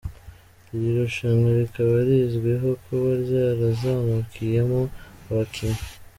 Iri rushanwa rikaba rizwiho kuba ryarazamukiyemo abakinnyi.